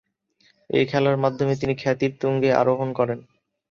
এ খেলার মাধ্যমেই তিনি খ্যাতির তুঙ্গে আরোহণ করেন।